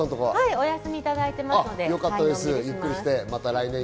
お休みいただいていますのでのん